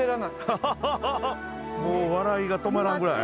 もう笑いが止まらんぐらい。